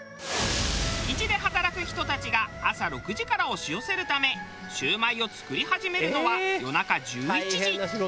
築地で働く人たちが朝６時から押し寄せるためしゅうまいを作り始めるのは夜中１１時。